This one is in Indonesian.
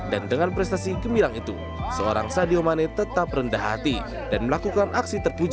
dengan prestasi gemilang itu seorang sadio mane tetap rendah hati dan melakukan aksi terpuji